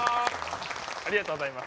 ありがとうございます。